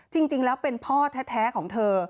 จริงแล้วเป็นพ่อแท้ของเธอ